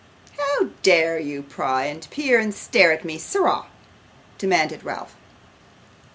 'How dare you pry, and peer, and stare at me, sirrah?' demanded Ralph.